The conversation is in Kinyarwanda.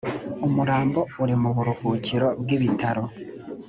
umurambo uri mu buruhukiro bw ibitaro